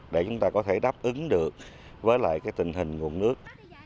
để chúng ta có thể đáp ứng được với lại cái tình hình nguồn nước